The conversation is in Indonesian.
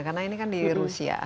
karena ini kan di rusia